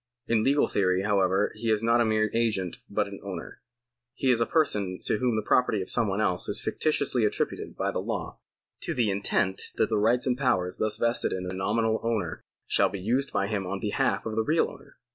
In legal theory, however, he is not a mere agent but an owner. He is a person to whom the property of some one else is fictitiously attributed by the law, to the intent that the rights and powers thus vested in a nominal owner shall be used by him on behalf of the real owner.